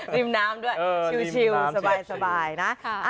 ริมน้ำด้วยชิลสบายนะ